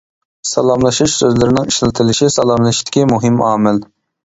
سالاملىشىش سۆزلىرىنىڭ ئىشلىتىلىشى سالاملىشىشتىكى مۇھىم ئامىل.